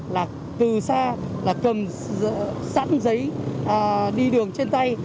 là từ xa là cầm sẵn giấy đi đường trên tay